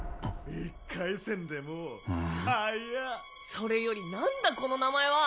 それよりなんだこの名前は？